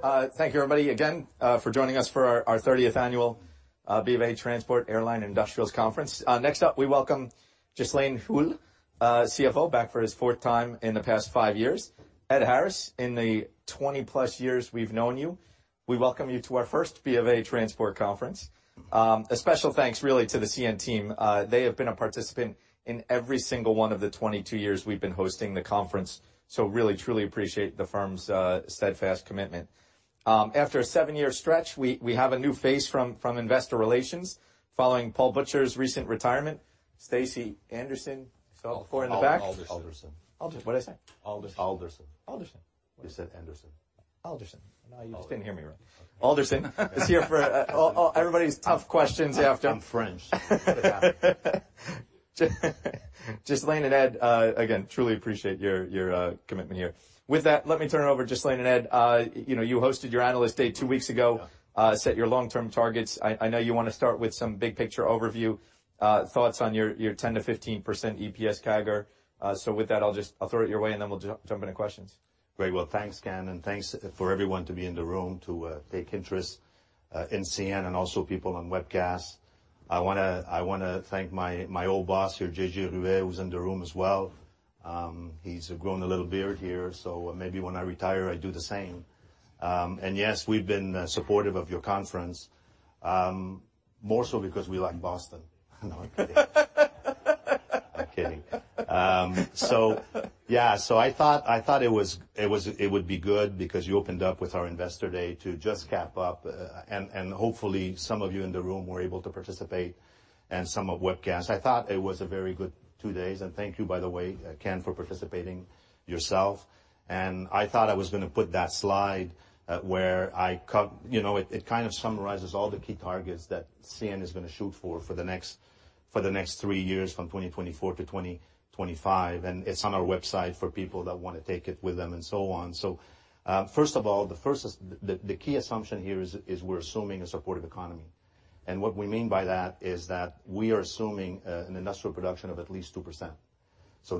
Great. Thank you, everybody, again, for joining us for our 30th annual BofA Transport Airline Industrials Conference. Next up, we welcome Ghislain Houle, CFO, back for his 4th time in the past five years. Ed Harris, in the 20-plus years we've known you, we welcome you to our first BofA Transport Conference. A special thanks really to the CN team. They have been a participant in every single one of the 22 years we've been hosting the conference, so really truly appreciate the firm's steadfast commitment. After a 7-year stretch, we have a new face from investor relations following Paul Butcher's recent retirement. Stacy Alderson, is that who poured in the back? Alderson. What'd I say? Alderson. Alderson. You said Anderson. Alderson. No, you just didn't hear me right. Alderson is here for all everybody's tough questions after. I'm French. Ghislain and Ed, again, truly appreciate your commitment here. With that, let me turn it over to Ghislain and Ed. You know, you hosted your analyst day two weeks ago. Yeah. Set your long-term targets. I know you want to start with some big picture overview, thoughts on your 10% to 15% EPS CAGR. With that, I'll throw it your way, and then we'll jump into questions. Very well. Thanks, Ken, thanks for everyone to be in the room to take interest in CN and also people on webcast. I wanna thank my old boss here, J.J. Ruest, who's in the room as well. He's grown a little beard here, so maybe when I retire, I do the same. Yes, we've been supportive of your conference, more so because we like Boston. No, I'm kidding. I'm kidding. I thought it would be good because you opened up with our investor day to just cap up, and hopefully, some of you in the room were able to participate and some on webcast. I thought it was a very good two days, and thank you, by the way, Ken, for participating yourself. I thought I was gonna put that slide at where. You know, it kind of summarizes all the key targets that CN is gonna shoot for the next, for the next three years, from 2024 to 2025, and it's on our website for people that wanna take it with them, and so on. First of all, the key assumption here is we're assuming a supportive economy, and what we mean by that is that we are assuming an industrial production of at least 2%.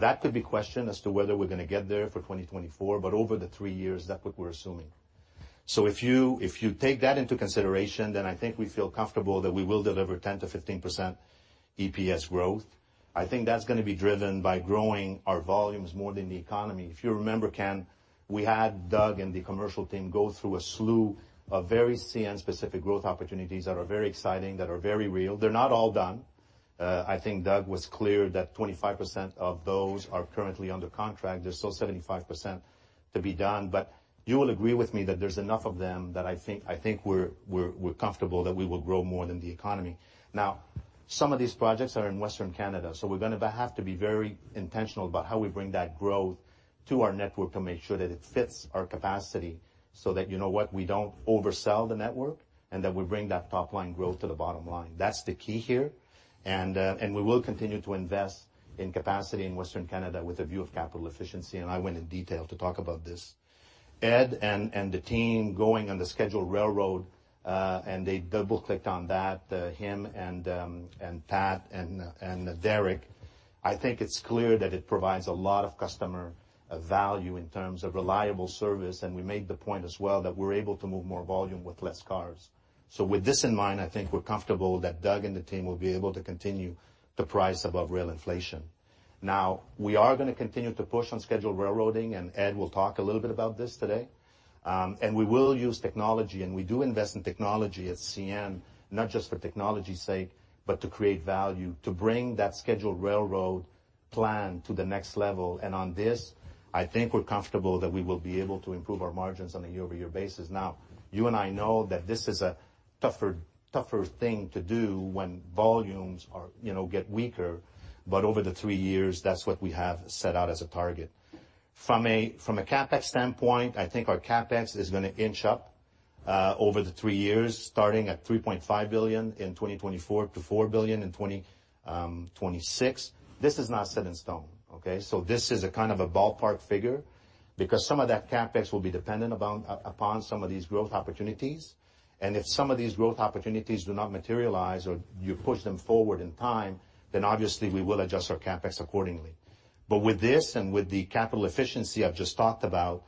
That could be questioned as to whether we're gonna get there for 2024, but over the three years, that's what we're assuming. If you take that into consideration, then I think we feel comfortable that we will deliver 10%-15% EPS growth. I think that's gonna be driven by growing our volumes more than the economy. If you remember, Ken, we had Doug and the commercial team go through a slew of very CN specific growth opportunities that are very exciting, that are very real. They're not all done. I think Doug was clear that 25% of those are currently under contract. There's still 75% to be done, you will agree with me that there's enough of them that I think we're comfortable that we will grow more than the economy. Now, some of these projects are in Western Canada, so we're gonna have to be very intentional about how we bring that growth to our network to make sure that it fits our capacity, so that you know what? We don't oversell the network, and that we bring that top line growth to the bottom line. That's the key here. We will continue to invest in capacity in Western Canada with a view of capital efficiency. I went in detail to talk about this. Ed and the team going on the scheduled railroad. They double-clicked on that, him and Pat and Derek. I think it's clear that it provides a lot of customer value in terms of reliable service. We made the point as well that we're able to move more volume with less cars. With this in mind, I think we're comfortable that Doug and the team will be able to continue to price above rail inflation. We are gonna continue to push on scheduled railroading, and Ed will talk a little bit about this today. We will use technology, and we do invest in technology at CN, not just for technology's sake, but to create value, to bring that scheduled railroad plan to the next level. On this, I think we're comfortable that we will be able to improve our margins on a year-over-year basis. You and I know that this is a tougher thing to do when volumes are, you know, get weaker. Over the three years, that's what we have set out as a target. From a CapEx standpoint, I think our CapEx is gonna inch up over the three years, starting at 3.5 billion in 2024 to 4 billion in 2026. This is not set in stone, okay? This is a kind of a ballpark figure because some of that CapEx will be dependent upon some of these growth opportunities. If some of these growth opportunities do not materialize or you push them forward in time, then obviously we will adjust our CapEx accordingly. With this and with the capital efficiency I've just talked about,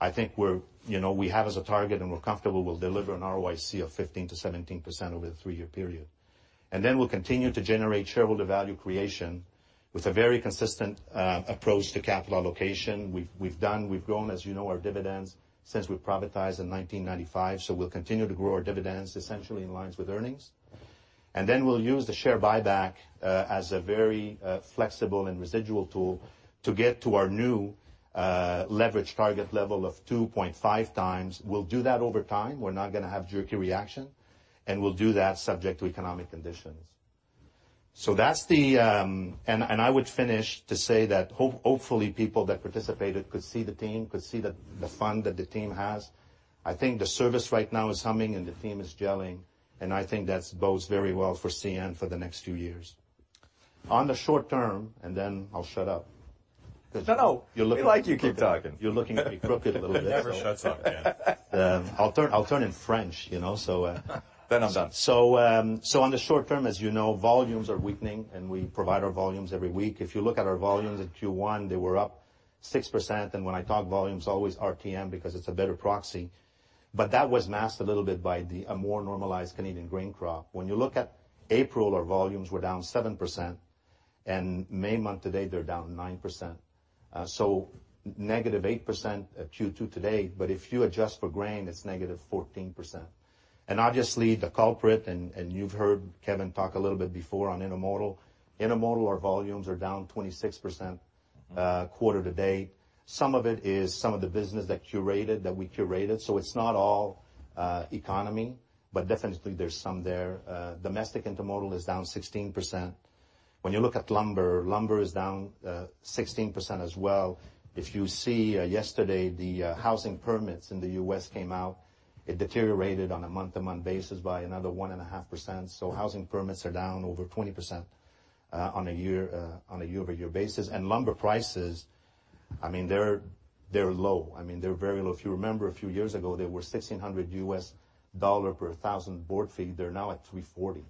I think we're, you know, we have as a target and we're comfortable we'll deliver an ROIC of 15%-17% over the three-year period. We'll continue to generate shareholder value creation with a very consistent approach to capital allocation. We've grown, as you know, our dividends since we privatized in 1995, we'll continue to grow our dividends essentially in lines with earnings. We'll use the share buyback as a very flexible and residual tool to get to our new leverage target level of 2.5 times. We'll do that over time. We're not gonna have jerky reaction, and we'll do that subject to economic conditions. That's the. I would finish to say that hopefully, people that participated could see the team, could see the fun that the team has. I think the service right now is humming and the team is gelling, and I think that bodes very well for CN for the next few years. On the short term, I'll shut up. No, no. You're looking. We like you keep talking. You're looking at me crooked a little bit. He never shuts up, man. I'll turn in French, you know, so. I'm done. On the short term, as you know, volumes are weakening, and we provide our volumes every week. If you look at our volumes at Q1, they were up 6%. When I talk volumes, always RTM because it's a better proxy. That was masked a little bit by a more normalized Canadian grain crop. When you look at April, our volumes were down 7%, and May month to date, they're down 9%. Negative 8% at Q2 to date, but if you adjust for grain, it's negative 14%. Obviously, the culprit, and you've heard Kevin talk a little bit before on intermodal. Intermodal, our volumes are down 26%, quarter to date. Some of it is some of the business that we curated, so it's not all economy, but definitely there's some there. Domestic intermodal is down 16%. When you look at lumber is down 16% as well. If you see yesterday, the housing permits in the US came out, it deteriorated on a month-to-month basis by another 1.5%. Housing permits are down over 20% on a year-over-year basis. Lumber prices, I mean, they're low. I mean, they're very low. If you remember a few years ago, they were $1,600 US dollar per thousand board feet. They're now at $340.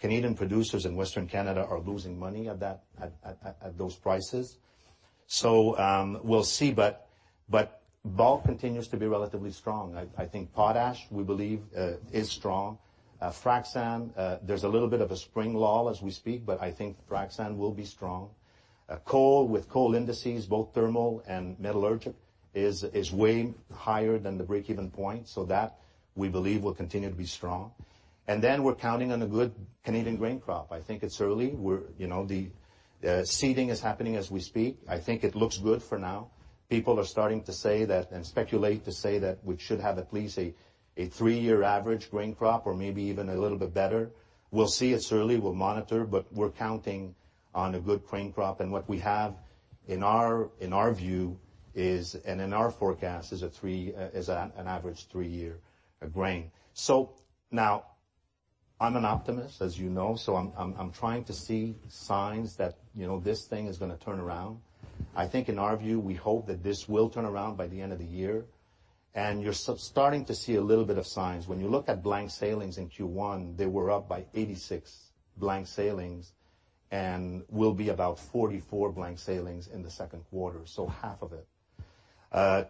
Canadian producers in Western Canada are losing money at those prices. We'll see, but bulk continues to be relatively strong. I think potash, we believe, is strong. Frac sand, there's a little bit of a spring lull as we speak, but I think frac sand will be strong. Coal, with coal indices, both thermal and metallurgic, is way higher than the break-even point. That, we believe, will continue to be strong. Then we're counting on a good Canadian grain crop. I think it's early. You know, the seeding is happening as we speak. I think it looks good for now. People are starting to say that, and speculate to say that we should have at least a three-year average grain crop or maybe even a little bit better. We'll see. It's early. We'll monitor, but we're counting on a good grain crop. What we have in our view is, and in our forecast, is an average three year grain. Now I'm an optimist, as you know, I'm trying to see signs that, you know, this thing is gonna turn around. I think in our view, we hope that this will turn around by the end of the year. You're starting to see a little bit of signs. When you look at blank sailings in Q1, they were up by 86 blank sailings and will be about 44 blank sailings in the second quarter, so half of it.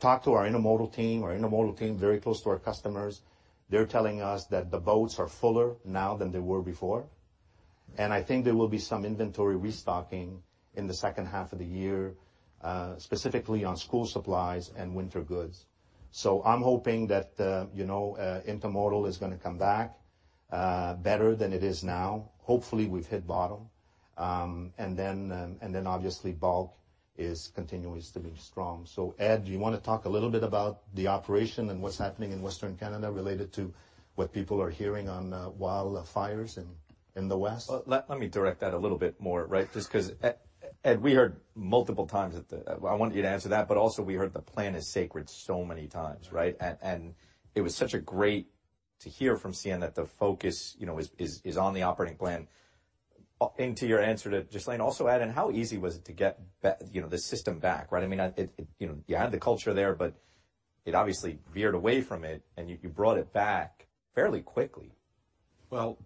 Talk to our intermodal team. Our intermodal team, very close to our customers. They're telling us that the boats are fuller now than they were before, and I think there will be some inventory restocking in the second half of the year, specifically on school supplies and winter goods. I'm hoping that, you know, intermodal is gonna come back better than it is now. Hopefully, we've hit bottom. Then, and then obviously bulk is continuing to be strong. Ed, do you wanna talk a little bit about the operation and what's happening in Western Canada related to what people are hearing on wildfires in the west? Well, let me direct that a little bit more, right? Just 'cause Ed, we heard multiple times. I want you to answer that, but also we heard the plan is sacred so many times, right? Right. It was such a great to hear from Sienna that the focus, you know, is, is on the operating plan. Into your answer to Ghislain, also add in how easy was it to get back, you know, the system back, right? I mean, it. You know, you had the culture there, but it obviously veered away from it, and you brought it back fairly quickly. Well,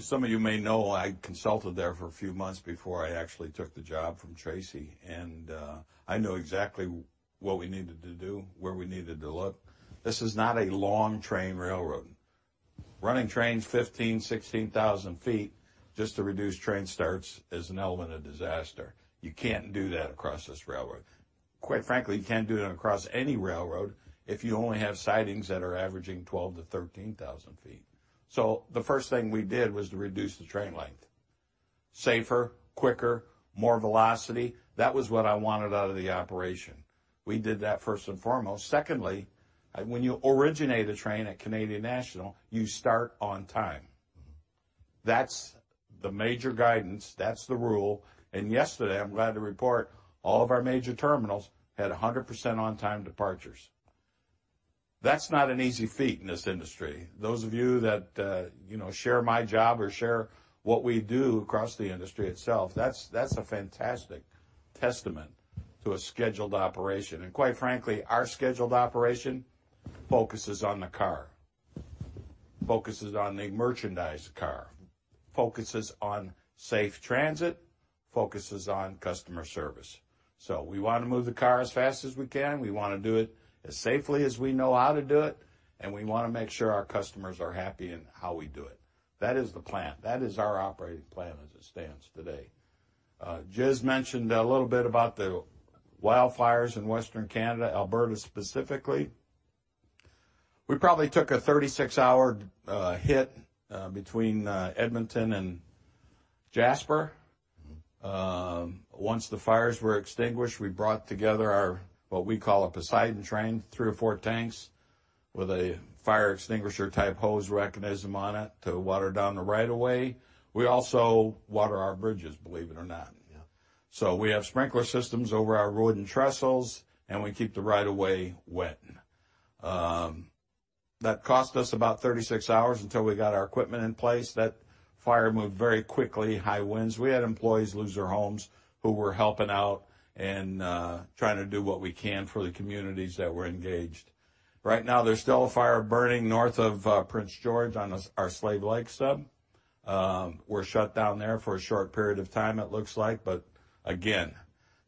some of you may know I consulted there for a few months before I actually took the job from Tracy. I knew exactly what we needed to do, where we needed to look. This is not a long train railroad. Running trains 15,000-16,000 feet just to reduce train starts is an element of disaster. You can't do that across this railroad. Quite frankly, you can't do that across any railroad if you only have sidings that are averaging 12,000-13,000 feet. The first thing we did was to reduce the train length. Safer, quicker, more velocity. That was what I wanted out of the operation. We did that first and foremost. Secondly, when you originate a train at Canadian National, you start on time. Mm-hmm. That's the major guidance. That's the rule. Yesterday, I'm glad to report all of our major terminals had 100% on time departures. That's not an easy feat in this industry. Those of you that, you know, share my job or share what we do across the industry itself, that's a fantastic testament to a scheduled operation. Quite frankly, our scheduled operation focuses on the car, focuses on the merchandise car, focuses on safe transit, focuses on customer service. We wanna move the car as fast as we can. We wanna do it as safely as we know how to do it, and we wanna make sure our customers are happy in how we do it. That is the plan. That is our operating plan as it stands today. Ghis mentioned a little bit about the wildfires in Western Canada, Alberta specifically. We probably took a 36-hour hit between Edmonton and Jasper. Mm-hmm. Once the fires were extinguished, we brought together our, what we call a Poseidon train, three or four tanks with a fire extinguisher type hose mechanism on it to water down the right of way. We also water our bridges, believe it or not. Yeah. We have sprinkler systems over our wood and trestles, and we keep the right of way wet. That cost us about 36 hours until we got our equipment in place. That fire moved very quickly, high winds. We had employees lose their homes who were helping out and trying to do what we can for the communities that were engaged. Right now, there's still a fire burning north of Prince George on our Slave Lake sub. We're shut down there for a short period of time, it looks like. Again,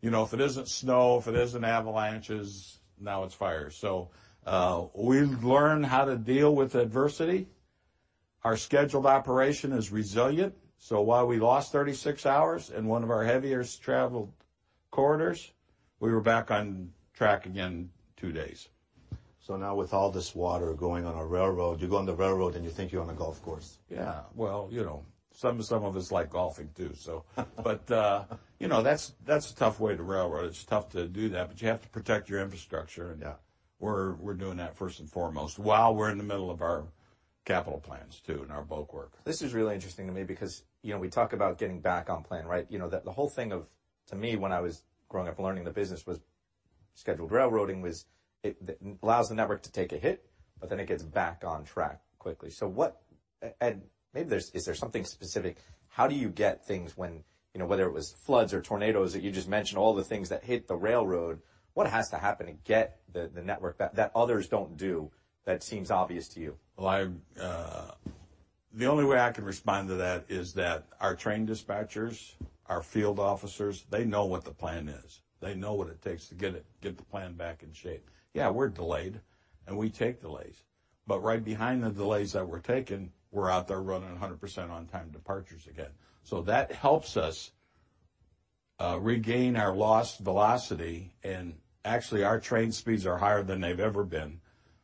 you know, if it isn't snow, if it isn't avalanches, now it's fire. We've learned how to deal with adversity. Our scheduled operation is resilient. While we lost 36 hours in one of our heaviest traveled corridors, we were back on track again two days. Now with all this water going on a railroad, you go on the railroad and you think you're on a golf course. Yeah. Well, you know, some of us like golfing too, so. You know, that's a tough way to railroad. It's tough to do that, but you have to protect your infrastructure. Yeah. We're doing that first and foremost while we're in the middle of our capital plans too, and our bulk work. This is really interesting to me because, you know, we talk about getting back on plan, right? You know that the whole thing of, to me when I was growing up learning the business was scheduled railroading was it allows the network to take a hit, but then it gets back on track quickly. Is there something specific, how do you get things when, you know, whether it was floods or tornadoes that you just mentioned, all the things that hit the railroad, what has to happen to get the network back that others don't do that seems obvious to you? Well, I've the only way I can respond to that is that our train dispatchers, our field officers, they know what the plan is. They know what it takes to get the plan back in shape. Yeah, we're delayed, and we take delays, but right behind the delays that we're taking, we're out there running 100% on-time departures again. That helps us regain our lost velocity. Actually, our train speeds are higher than they've ever been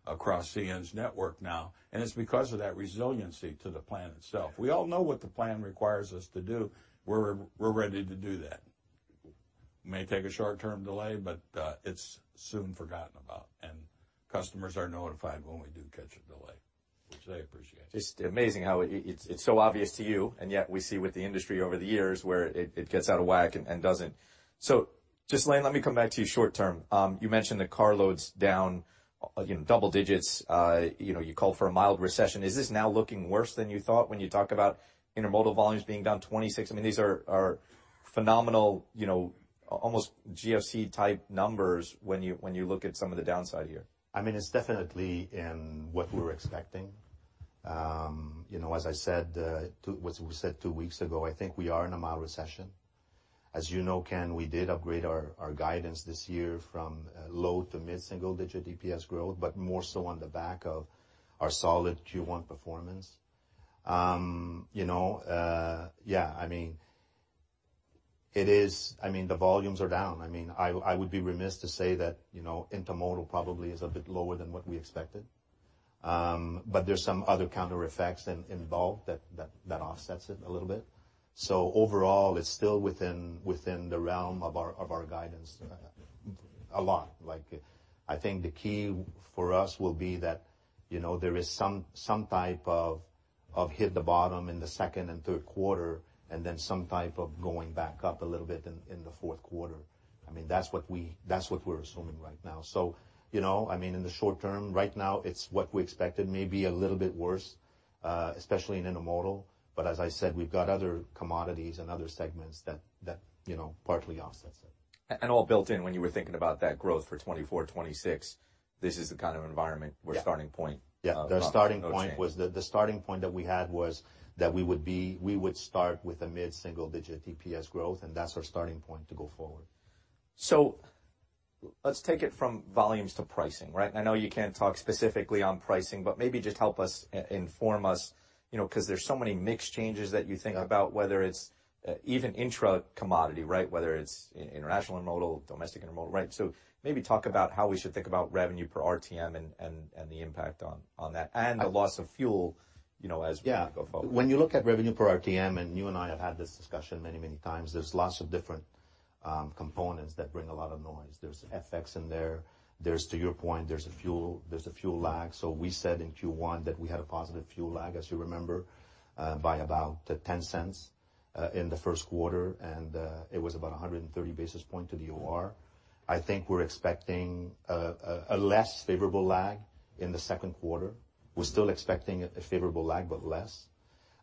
across CN's network now, and it's because of that resiliency to the plan itself. We all know what the plan requires us to do. We're ready to do that. May take a short-term delay, but it's soon forgotten about, and customers are notified when we do catch a delay, which they appreciate. It's amazing how it's so obvious to you, and yet we see with the industry over the years where it gets out of whack and doesn't. Just, Ghislain, let me come back to you short term. You mentioned the car load's down, you know, double digits. You know, you called for a mild recession. Is this now looking worse than you thought when you talk about intermodal volumes being down 26%? I mean, these are phenomenal, you know, almost GFC type numbers when you look at some of the downside here. I mean, it's definitely in what we were expecting. You know, as I said, as we said two weeks ago, I think we are in a mild recession. As you know, Ken, we did upgrade our guidance this year from low to mid-single digit DPS growth, but more so on the back of our solid Q1 performance. You know, yeah. I mean, it is, I mean, the volumes are down. I mean, I would be remiss to say that, you know, intermodal probably is a bit lower than what we expected. But there's some other counter effects involved that offsets it a little bit. Overall, it's still within the realm of our guidance a lot. I think the key for us will be that, you know, there is some type of hit the bottom in the second and third quarter and then some type of going back up a little bit in the fourth quarter. I mean, that's what we're assuming right now. You know, I mean, in the short term, right now it's what we expected, maybe a little bit worse, especially in intermodal. As I said, we've got other commodities and other segments that, you know, partly offsets it. All built in when you were thinking about that growth for 2024, 2026, this is the kind of environment or starting point. Yeah. The starting point was the starting point that we had was that we would start with a mid-single digit DPS growth. That's our starting point to go forward. Let's take it from volumes to pricing, right? I know you can't talk specifically on pricing, but maybe just help us, inform us, you know, because there's so many mix changes that you think about, whether it's even intra-commodity, right? Whether it's international intermodal, domestic intermodal, right? Maybe talk about how we should think about revenue per RTM and the impact on that and the loss of fuel, you know, as we go forward. Yeah. When you look at revenue per RTM, and you and I have had this discussion many, many times, there's lots of different components that bring a lot of noise. There's FX in there. There's, to your point, there's a fuel lag. We said in Q1 that we had a positive fuel lag, as you remember, by about $0.10 in the first quarter. It was about 130 basis point to the OR. I think we're expecting a less favorable lag in the second quarter. We're still expecting a favorable lag, but less.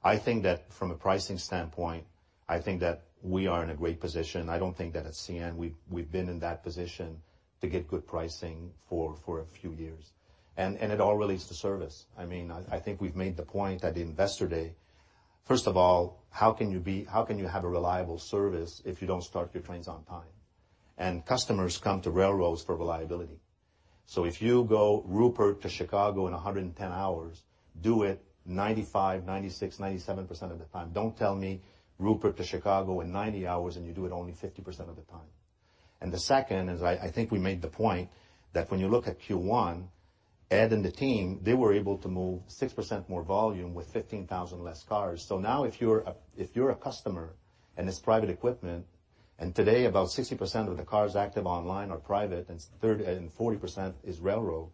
I think that from a pricing standpoint, I think that we are in a great position. I don't think that at CN we've been in that position to get good pricing for a few years. It all relates to service. I mean, I think we've made the point at Investor Day, first of all, how can you have a reliable service if you don't start your trains on time? Customers come to railroads for reliability. If you go Rupert to Chicago in 110 hours, do it 95%, 96%, 97% of the time. Don't tell me Rupert to Chicago in 90 hours and you do it only 50% of the time. The second is, I think we made the point that when you look at Q1, Ed and the team, they were able to move 6% more volume with 15,000 less cars. Now if you're a, if you're a customer, and it's private equipment, and today about 60% of the cars active online are private and 40% is railroad,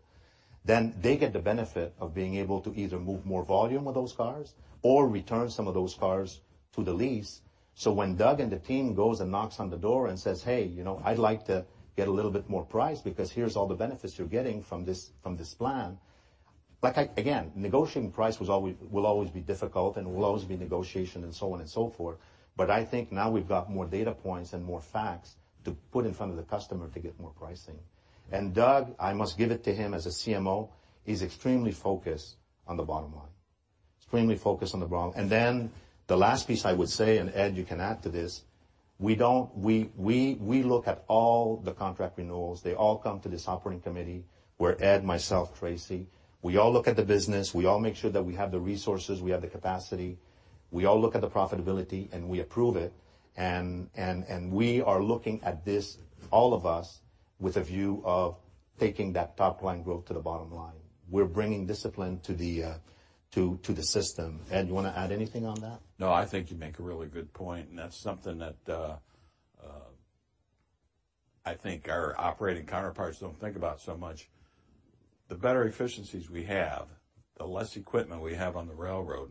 then they get the benefit of being able to either move more volume of those cars or return some of those cars to the lease. When Doug and the team goes and knocks on the door and says, "Hey, you know, I'd like to get a little bit more price because here's all the benefits you're getting from this, from this plan." Again, negotiating price was always, will always be difficult and will always be negotiation and so on and so forth, but I think now we've got more data points and more facts to put in front of the customer to get more pricing. Doug, I must give it to him as a CMO, he's extremely focused on the bottom line. Extremely focused on the wrong. The last piece I would say, Ed, you can add to this, we look at all the contract renewals. They all come to this operating committee where Ed, myself, Tracy, we all look at the business, we all make sure that we have the resources, we have the capacity. We all look at the profitability, and we approve it. We are looking at this, all of us, with a view of taking that top line growth to the bottom line. We're bringing discipline to the system. Ed, you wanna add anything on that? No, I think you make a really good point, and that's something that I think our operating counterparts don't think about so much. The better efficiencies we have, the less equipment we have on the railroad,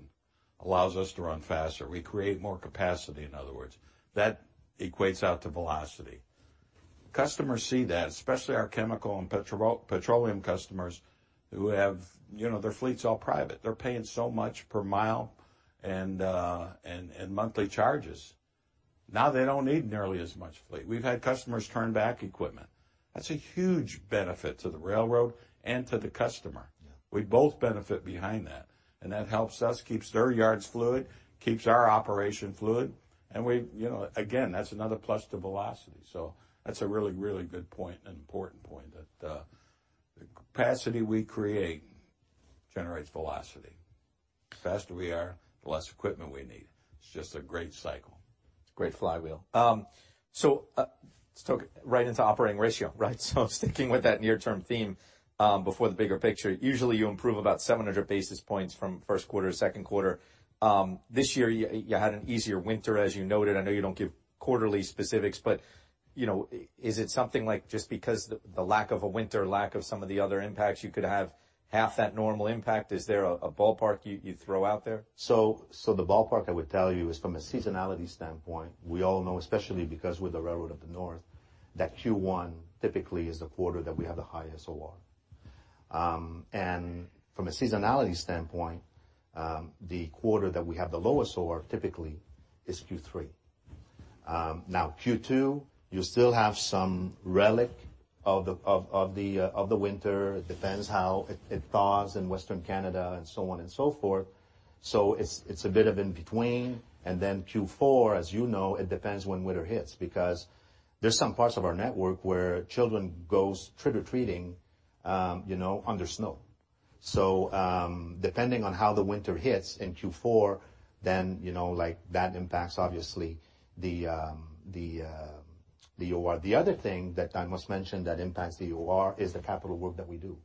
allows us to run faster. We create more capacity, in other words. That equates out to velocity. Customers see that, especially our chemical and petroleum customers who have, you know, their fleet's all private. They're paying so much per mile and monthly charges. Now they don't need nearly as much fleet. We've had customers turn back equipment. That's a huge benefit to the railroad and to the customer. Yeah. We both benefit behind that. That helps us, keeps their yards fluid, keeps our operation fluid, and we've, you know, again, that's another plus to velocity. That's a really, really good point and important point that the capacity we create generates velocity. The faster we are, the less equipment we need. It's just a great cycle. It's a great flywheel. Let's talk right into operating ratio, right? Sticking with that near term theme, before the bigger picture, usually you improve about 700 basis points from first quarter to second quarter. This year you had an easier winter as you noted. I know you don't give quarterly specifics, but, you know, is it something like just because the lack of a winter, lack of some of the other impacts, you could have half that normal impact? Is there a ballpark you'd throw out there? The ballpark I would tell you is from a seasonality standpoint, we all know, especially because we're the railroad of the North, that Q1 typically is the quarter that we have the highest OR. From a seasonality standpoint, the quarter that we have the lowest OR typically is Q3. Now Q2, you still have some relic of the winter. It depends how it thaws in Western Canada and so on and so forth. It's a bit of in between. Q4, as you know, it depends when winter hits because there's some parts of our network where children goes trick or treating, you know, under snow. Depending on how the winter hits in Q4 then, you know, like, that impacts obviously the OR. The other thing that I must mention that impacts the OR is the capital work that we do.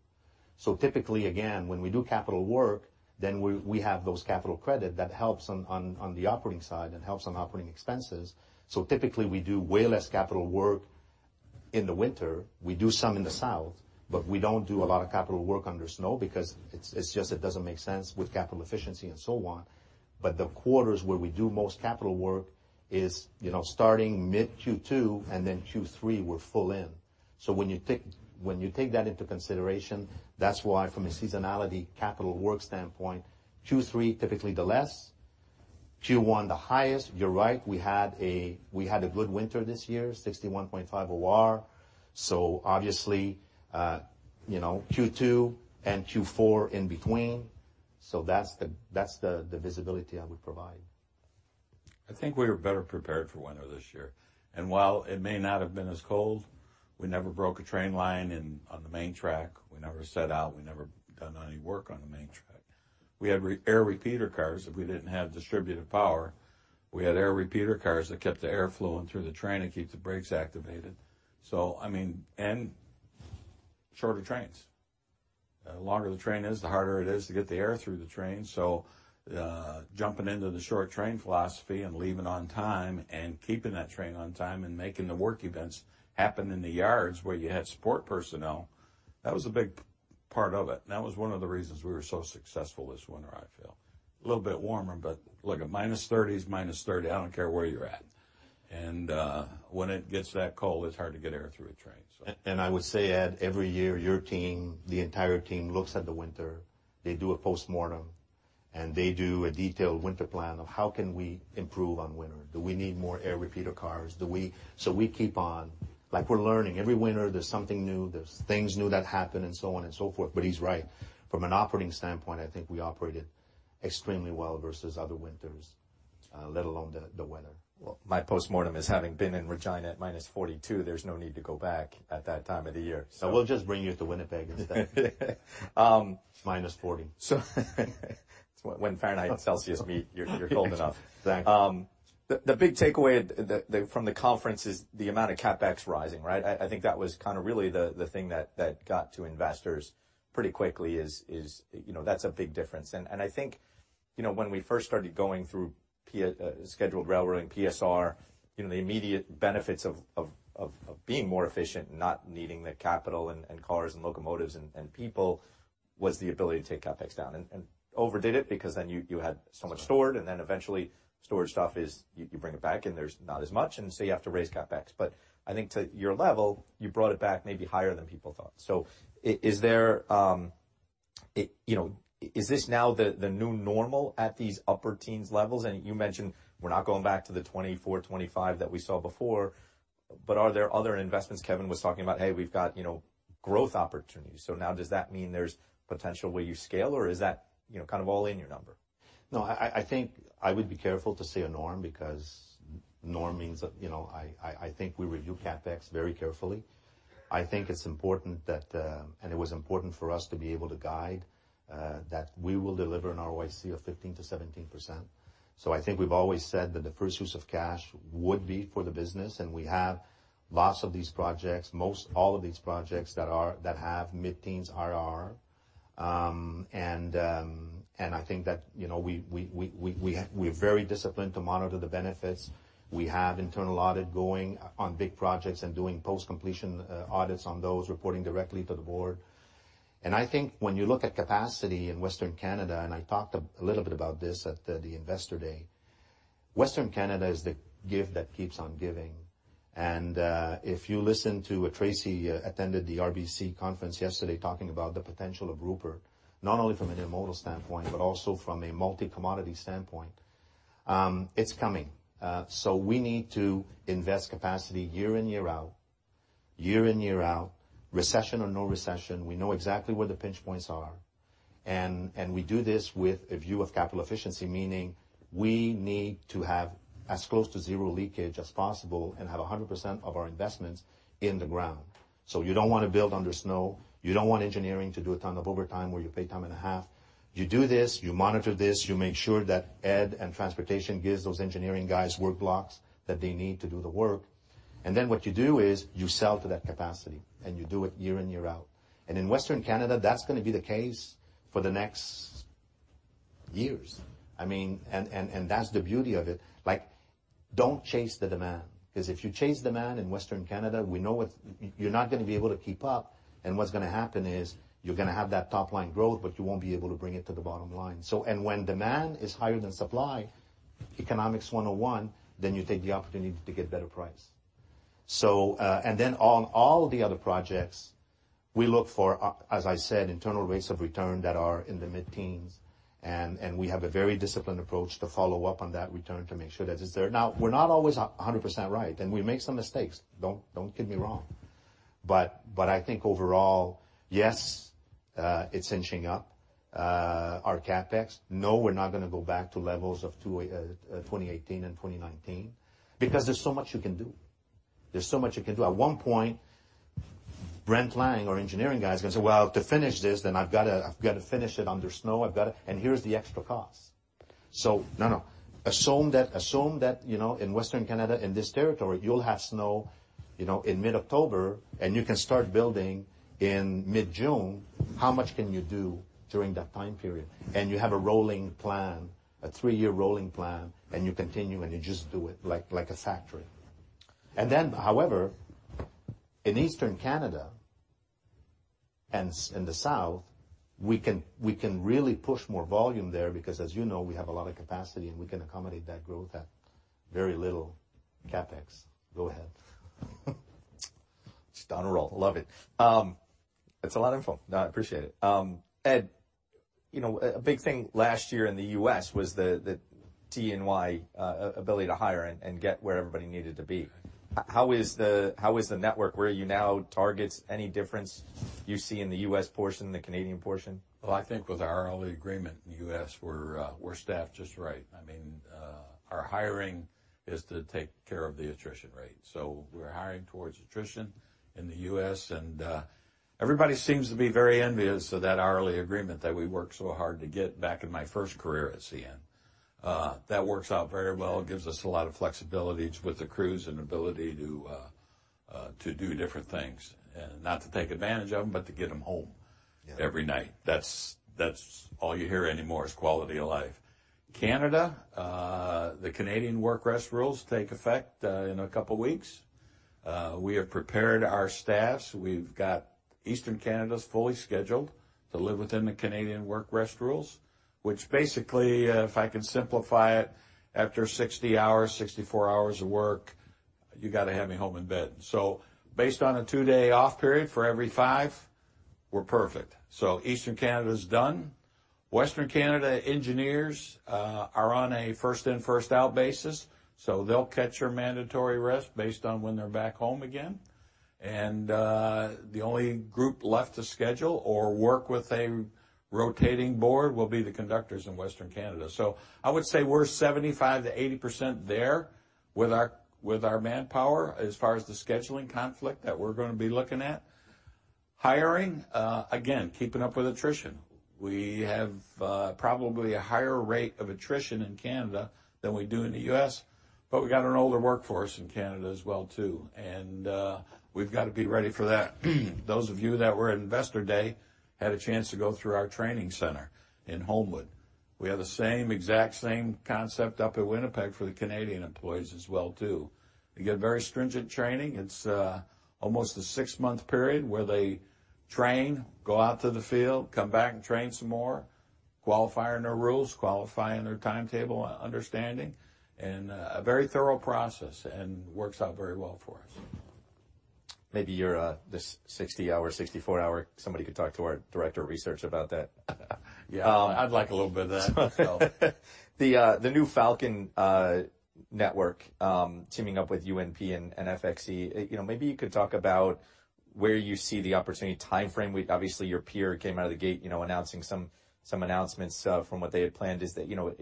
Typically, again, when we do capital work, then we have those capital credit that helps on the operating side and helps on operating expenses. Typically, we do way less capital work in the winter. We do some in the South, but we don't do a lot of capital work under snow because it's just it doesn't make sense with capital efficiency and so on. The quarters where we do most capital work is, you know, starting mid Q2 and then Q3 we're full in. When you take that into consideration, that's why from a seasonality capital work standpoint, Q3 typically the less, Q1 the highest. You're right, we had a good winter this year, 61.5 OR. Obviously, you know, Q2 and Q4 in between. That's the visibility I would provide. I think we were better prepared for winter this year. While it may not have been as cold, we never broke a train line in, on the main track. We never set out. We never done any work on the main track. We had air repeater cars if we didn't have distributed power. We had air repeater cars that kept the air flowing through the train to keep the brakes activated. I mean, and shorter trains. The longer the train is, the harder it is to get the air through the train. Jumping into the short train philosophy and leaving on time and keeping that train on time and making the work events happen in the yards where you had support personnel, that was a big part of it. That was one of the reasons we were so successful this winter, I feel. A little bit warmer, but look, a minus 30 is minus 30. I don't care where you're at. When it gets that cold it's hard to get air through a train. I would say, Ed, every year, your team, the entire team looks at the winter, they do a postmortem, and they do a detailed winter plan of how can we improve on winter? Do we need more air repeater cars? Like, we're learning. Every winter there's something new. There's things new that happen and so on and so forth. He's right. From an operating standpoint, I think we operated extremely well versus other winters, let alone the weather. Well, my postmortem is having been in Regina at minus 42, there's no need to go back at that time of the year. We'll just bring you to Winnipeg instead. Um- Minus 40. When Fahrenheit and Celsius meet, you're cold enough. Exactly. The, the big takeaway the, from the conference is the amount of CapEx rising, right? I think that was kinda really the thing that got to investors pretty quickly is, you know, that's a big difference. I think, you know, when we first started going through scheduled railroading, PSR, you know, the immediate benefits of, of being more efficient and not needing the capital and cars and locomotives and people was the ability to take CapEx down and overdid it because then you had so much stored, and then eventually storage stuff is you bring it back and there's not as much, and so you have to raise CapEx. I think to your level, you brought it back maybe higher than people thought. Is there, you know, is this now the new normal at these upper teens levels? You mentioned we're not going back to the 24, 25 that we saw before. Are there other investments Kevin was talking about? Hey, we've got, you know, growth opportunities. Now does that mean there's potential where you scale or is that, you know, kind of all in your number? No, I think I would be careful to say a norm because norm means that, you know. I think we review CapEx very carefully. I think it's important that, and it was important for us to be able to guide, that we will deliver an ROIC of 15%-17%. I think we've always said that the first use of cash would be for the business, and we have lots of these projects, most all of these projects that are, that have mid-teens IRR. And I think that, you know, we're very disciplined to monitor the benefits. We have internal audit going on big projects and doing post-completion audits on those, reporting directly to the board. I think when you look at capacity in Western Canada, and I talked a little bit about this at the Investor Day, Western Canada is the gift that keeps on giving. If you listen to Tracy attended the RBC conference yesterday talking about the potential of Rupert, not only from an intermodal standpoint, but also from a multi-commodity standpoint, it's coming. We need to invest capacity year in, year out, year in, year out, recession or no recession. We know exactly where the pinch points are. We do this with a view of capital efficiency, meaning we need to have as close to zero leakage as possible and have 100% of our investments in the ground. You don't wanna build under snow. You don't want engineering to do a ton of overtime where you pay time and a half. You do this, you monitor this, you make sure that Ed and transportation gives those engineering guys work blocks that they need to do the work. Then what you do is you sell to that capacity, and you do it year in, year out. In Western Canada, that's gonna be the case for the next years. I mean, that's the beauty of it. Like, don't chase the demand 'cause if you chase demand in Western Canada, we know you're not gonna be able to keep up, and what's gonna happen is you're gonna have that top line growth, but you won't be able to bring it to the bottom line. When demand is higher than supply, Economics 101, you take the opportunity to get better price. On all the other projects, we look for, as I said, internal rates of return that are in the mid-teens, and we have a very disciplined approach to follow up on that return to make sure that it's there. Now, we're not always 100% right, and we make some mistakes, don't get me wrong, but I think overall, yes, it's inching up our CapEx. No, we're not gonna go back to levels of 2018 and 2019 because there's so much you can do. There's so much you can do. At one point, Brent Laing, our engineering guy, is gonna say, "Well, to finish this, I've gotta finish it under snow. I've gotta... And here's the extra cost." no. Assume that, you know, in Western Canada, in this territory, you'll have snow, you know, in mid-October, and you can start building in mid-June. How much can you do during that time period? You have a rolling plan, a three-year rolling plan, and you continue, and you just do it like a factory. However, in Eastern Canada and in the South, we can really push more volume there because as you know, we have a lot of capacity, and we can accommodate that growth at very little CapEx. Go ahead. Just on a roll. Love it. It's a lot of info. I appreciate it. Ed, you know, a big thing last year in the U.S. was the TCRC ability to hire and get where everybody needed to be. How is the network? Where are you now? Targets? Any difference you see in the U.S. portion, the Canadian portion? I think with our early agreement in the U.S., we're staffed just right. I mean, our hiring is to take care of the attrition rate. We're hiring towards attrition in the U.S., everybody seems to be very envious of that hourly agreement that we worked so hard to get back in my first career at CN. That works out very well. It gives us a lot of flexibility with the crews and ability to do different things. Not to take advantage of them, but to get them home every night. That's all you hear anymore is quality of life. Canada, the Canadian work rest rules take effect in a couple weeks. We have prepared our staffs. We've got Eastern Canada's fully scheduled to live within the Canadian work rest rules, which basically, if I can simplify it, after 60 hours, 64 hours of work, you gotta have me home in bed. Based on a 2-day off period for every five, we're perfect. Eastern Canada's done. Western Canada engineers are on a first in, first out basis, so they'll catch their mandatory rest based on when they're back home again. The only group left to schedule or work with a rotating board will be the conductors in Western Canada. I would say we're 75%-80% there with our, with our manpower as far as the scheduling conflict that we're gonna be looking at. Hiring, again, keeping up with attrition. We have probably a higher rate of attrition in Canada than we do in the US, but we got an older workforce in Canada as well, too, and we've got to be ready for that. Those of you that were at Investor Day had a chance to go through our training center in Homewood. We have the same, exact same concept up at Winnipeg for the Canadian employees as well, too. You get very stringent training. It's almost a six-month period where they train, go out to the field, come back and train some more, qualify on their rules, qualify on their timetable understanding, and a very thorough process and works out very well for us. Maybe your, this 60 hour, 64 hour, somebody could talk to our director of research about that. Yeah, I'd like a little bit of that myself. The new Falcon Network, teaming up with UNP and FXE. You know, maybe you could talk about where you see the opportunity timeframe. obviously, your peer came out of the gate, you know, announcing some announcements from what they had planned. You know,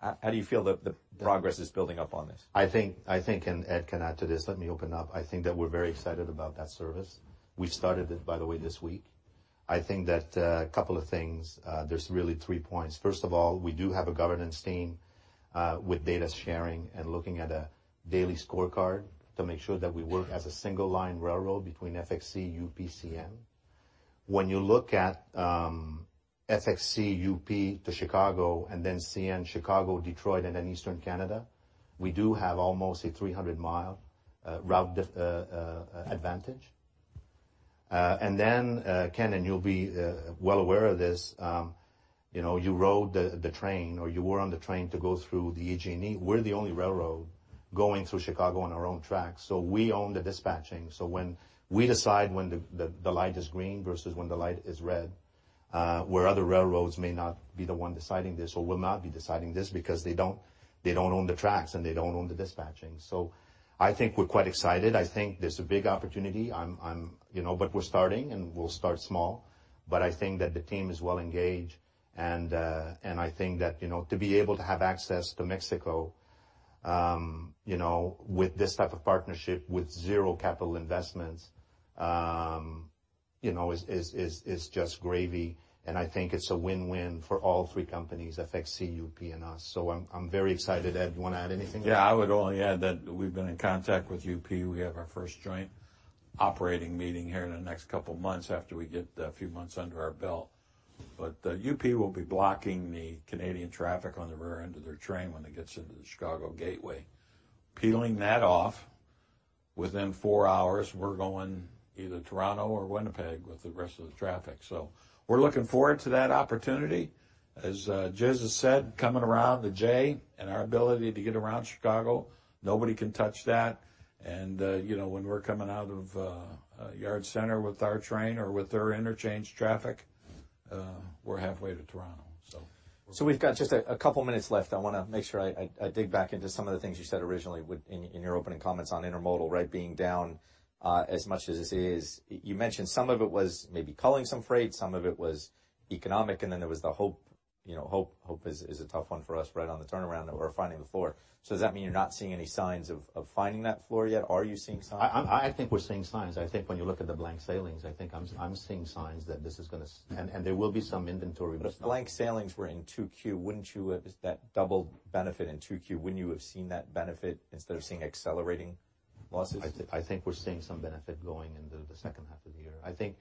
How you feel the progress is building up on this? I think, and Ed can add to this. Let me open up. I think that we're very excited about that service. We started it, by the way, this week. I think that a couple of things, there's really three points. First of all, we do have a governance team with data sharing and looking at a daily scorecard to make sure that we work as a single line railroad between FXE, UP, CN. When you look at FXE, UP to Chicago and then CN, Chicago, Detroit, and then Eastern Canada, we do have almost a 300 mile route advantage. Ken, and you'll be well aware of this, you know, you rode the train, or you were on the train to go through the EJ&E. We're the only railroad going through Chicago on our own tracks. We own the dispatching. When we decide when the light is green versus when the light is red, where other railroads may not be the one deciding this or will not be deciding this because they don't, they don't own the tracks and they don't own the dispatching. I think we're quite excited. I think there's a big opportunity. I'm, you know, but we're starting, and we'll start small. I think that the team is well engaged, and I think that, you know, to be able to have access to Mexico, you know, with this type of partnership with zero capital investments, you know, is just gravy. I think it's a win-win for all three companies, FXE, UP, and us. I'm very excited. Ed, you wanna add anything? Yeah, I would only add that we've been in contact with UP. We have our first joint operating meeting here in the next couple months after we get a few months under our belt. UP will be blocking the Canadian traffic on the rear end of their train when it gets into the Chicago gateway. Peeling that off within four hours, we're going either Toronto or Winnipeg with the rest of the traffic. We're looking forward to that opportunity. As Gis has said, coming around the J and our ability to get around Chicago, nobody can touch that. You know, when we're coming out of Yard Center with our train or with their interchange traffic, we're halfway to Toronto. We've got just a couple minutes left. I want to make sure I dig back into some of the things you said originally with in your opening comments on intermodal, right? Being down as much as it is. You mentioned some of it was maybe culling some freight, some of it was economic, and then there was the hope. You know, hope is a tough one for us right on the turnaround that we're finding the floor. Does that mean you're not seeing any signs of finding that floor yet? Are you seeing signs? I think we're seeing signs. I think when you look at the blank sailings, I think I'm seeing signs that this is gonna and there will be some inventory. If blank sailings were in 2Q, wouldn't you have that double benefit in 2Q? Wouldn't you have seen that benefit instead of seeing accelerating losses? I think we're seeing some benefit going into the second half of the year.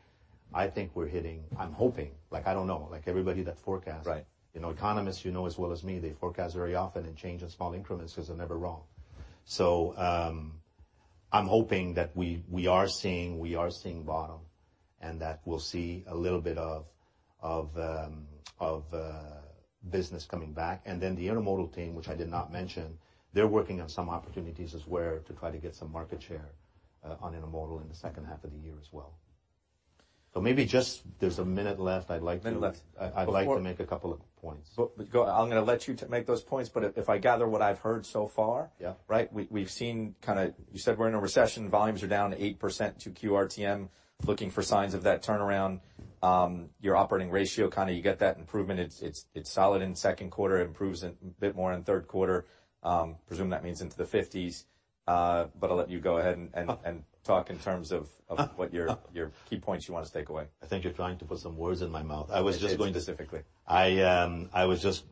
I think we're hitting, I'm hoping, like, I don't know, like everybody that forecasts. Right. You know, economists, you know as well as me, they forecast very often and change in small increments 'cause they're never wrong. I'm hoping that we are seeing bottom and that we'll see a little bit of business coming back. The intermodal team, which I did not mention, they're working on some opportunities as where to try to get some market share on intermodal in the second half of the year as well. Maybe just there's a minute left, I'd like to- Minute left. I'd like to make a couple of points. Go. I'm gonna let you make those points, but if I gather what I've heard so far. Yeah. Right? We've seen kind of, you said we're in a recession, volumes are down 8% to QRTM, looking for signs of that turnaround. Your operating ratio, kind of you get that improvement. It's solid in the second quarter, improves in, a bit more in the third quarter. Presume that means into the 50s. I'll let you go ahead and talk in terms of what your key points you want us to take away. I think you're trying to put some words in my mouth. I was just going to. Specifically. I was just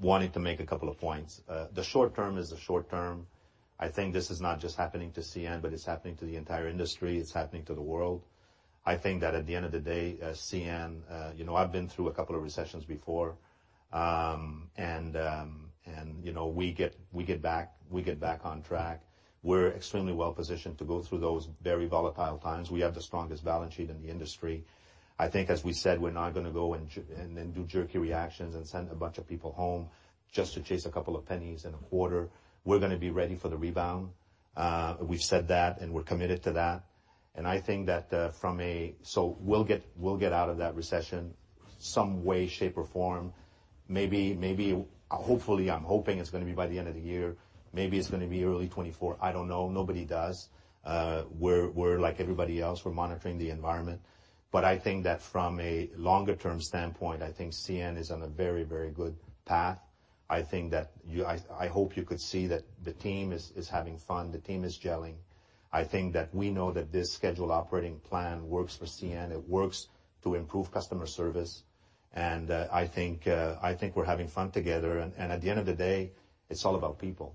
wanting to make a couple of points. The short term is the short term. I think this is not just happening to CN, but it's happening to the entire industry. It's happening to the world. I think that at the end of the day, as CN, you know, I've been through a couple of recessions before. You know, we get back on track. We're extremely well positioned to go through those very volatile times. We have the strongest balance sheet in the industry. I think, as we said, we're not gonna go and do jerky reactions and send a bunch of people home just to chase a couple of pennies in a quarter. We're gonna be ready for the rebound. We've said that, we're committed to that. I think that we'll get out of that recession some way, shape, or form. Maybe, hopefully, I'm hoping it's gonna be by the end of the year. Maybe it's gonna be early 2024. I don't know. Nobody does. We're like everybody else. We're monitoring the environment. I think that from a longer term standpoint, I think CN is on a very good path. I think that I hope you could see that the team is having fun. The team is gelling. I think that we know that this scheduled operating plan works for CN. It works to improve customer service. I think we're having fun together. At the end of the day, it's all about people.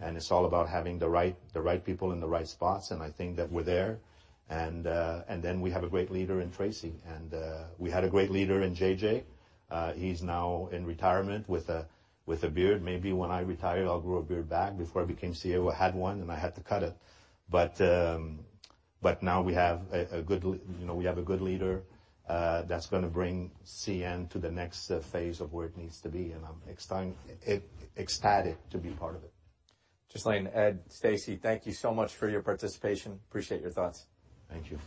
It's all about having the right, the right people in the right spots. I think that we're there. Then we have a great leader in Tracy. We had a great leader in JJ. He's now in retirement with a, with a beard. Maybe when I retire, I'll grow a beard back. Before I became CEO, I had one and I had to cut it. Now we have a good, you know, we have a good leader that's gonna bring CN to the next phase of where it needs to be, and I'm ecstatic to be part of it. Ghislain, Ed, Stacy, thank you so much for your participation. Appreciate your thoughts. Thank you.